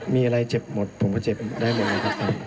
มีอะไรเจ็บหมดผมก็เจ็บได้หมดเลยครับ